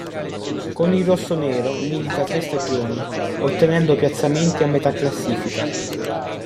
Con i "rossonero" milita tre stagioni, ottenendo piazzamenti a metà classifica.